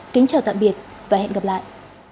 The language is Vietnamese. kính chào tạm biệt và hẹn gặp lại